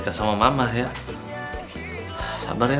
aku lagi misalnya bebo dua gue